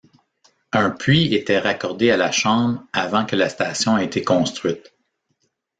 Un puits était raccordé à la chambre avant que la station a été construite.